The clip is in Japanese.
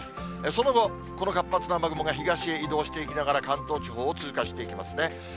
その後、この活発な雨雲が東へ移動していきながら、関東地方を通過していきますね。